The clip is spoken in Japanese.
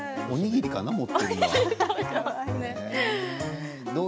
おにぎりかな？